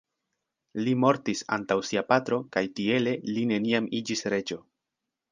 Li mortis antaŭ sia patro kaj tiele li neniam iĝis reĝo.